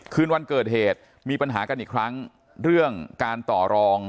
คืนวันเกิดเหตุมีปัญหากันอีกครั้งเรื่องการต่อรอง